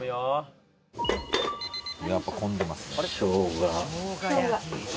やっぱ混んでますね。